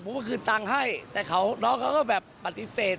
เมื่อคืนตังค์ให้แต่เขาน้องเขาก็แบบปฏิเสธ